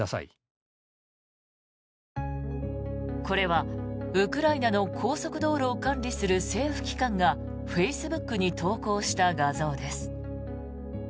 これはウクライナの高速道路を管理する政府機関がフェイスブックに投稿した画像です。